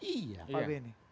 iya pak benny